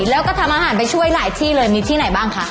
แล้วก็ทำอาหารไปช่วยหลายที่เลยมีที่ไหนบ้างคะ